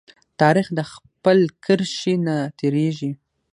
تاریخ د خپل کرښې نه تیریږي.